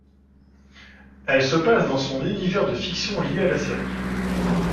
Elles se passent dans son univers de fiction lié à la série '.